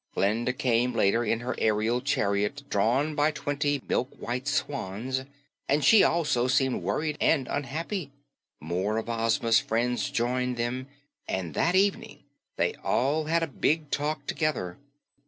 Glinda came later in her aerial chariot drawn by twenty milk white swans, and she also seemed worried and unhappy. More of Ozma's friends joined them, and that evening they all had a big talk together.